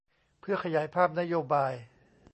เพื่อขยายภาพนโยบาย